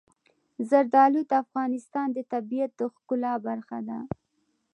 زردالو د افغانستان د طبیعت د ښکلا برخه ده.